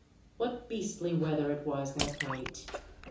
What beastly weather it was that night